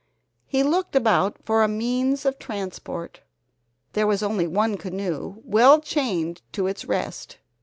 He looked about for a means of transport. There was only one canoe, well chained to its rest.